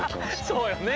そうよね。